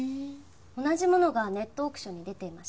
同じものがネットオークションに出ていました。